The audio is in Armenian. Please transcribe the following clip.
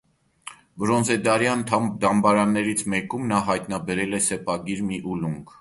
Բրոնզեդարյան դամբարաններից մեկում նա հայտնաբերել է սեպագիր մի ուլունք։